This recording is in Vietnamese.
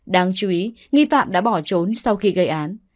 đáng chú ý nghi phạm đã bỏ trốn sau khi gây án